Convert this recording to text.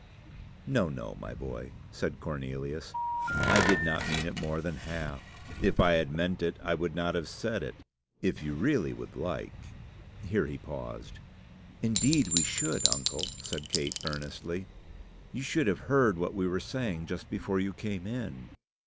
"No, no, my boy," said Cornelius; "I did not mean it more than half. If I had meant it, I would not have said it. If you really would like " Here he paused. "Indeed we should, uncle," said Kate, earnestly. "You should have heard what we were saying just before you came in."